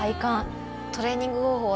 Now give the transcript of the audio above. トレーニング方法